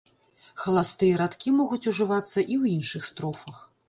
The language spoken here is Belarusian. Халастыя радкі могуць ужывацца і ў іншых строфах.